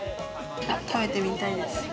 食べてみたいです。